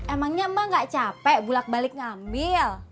emangnya emak gak capek bulat balik ngambil